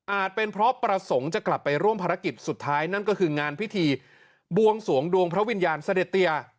เป็นเพราะประสงค์จะกลับไปร่วมภารกิจสุดท้ายนั่นก็คืองานพิธีบวงสวงดวงพระวิญญาณเสด็จเตีย